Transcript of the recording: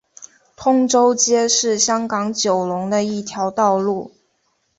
通州街是香港九龙的一条道路。